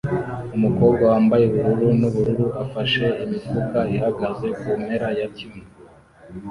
Umukobwa wambaye ubururu nubururu ufashe imifuka ihagaze kumpera ya tunnel